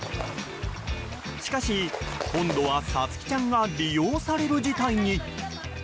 しかし今度は、さつきちゃんが利用される事態に。